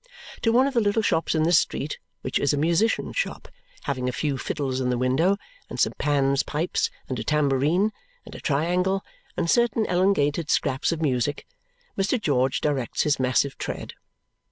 To one of the little shops in this street, which is a musician's shop, having a few fiddles in the window, and some Pan's pipes and a tambourine, and a triangle, and certain elongated scraps of music, Mr. George directs his massive tread.